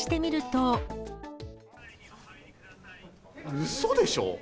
うそでしょ？